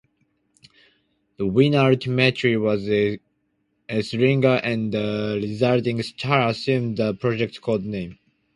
The winner ultimately was Esslinger and the resulting style assumed the project's code name.